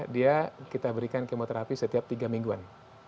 dia kita berikan kemoterapi setiap tiga mingguan